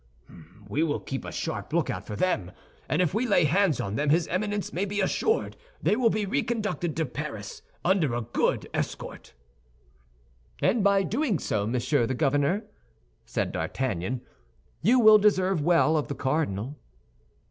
"We will keep a sharp lookout for them; and if we lay hands on them his Eminence may be assured they will be reconducted to Paris under a good escort." "And by doing so, Monsieur the Governor," said D'Artagnan, "you will deserve well of the cardinal."